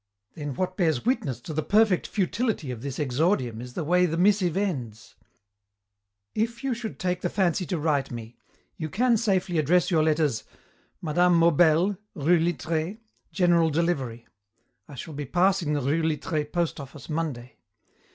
"Then what bears witness to the perfect futility of this exordium is the way the missive ends: "'If you should take the fancy to write me, you can safely address your letters "Mme. Maubel, rue Littré, general delivery." I shall be passing the rue Littré post office Monday.